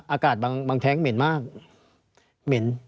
อากาศบางแท้งเหม็นมากเหม็น